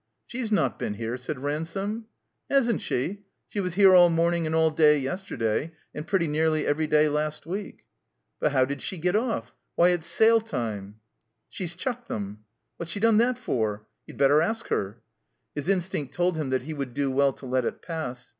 •'She's not been here?" said Ransome. "Hasn't she! She was here all morning and all day yesterday, and pretty nearly every day last week." *' But — ^how did she get oflf ? Why— it's sale time !'' "She's chucked them." "What's she done that for?" "You'd better ask her." His instinct told him that he would do well to let it pass.